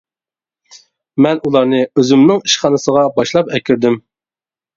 مەن ئۇلارنى ئۆزۈمنىڭ ئىشخانىسىغا باشلاپ ئەكىردىم.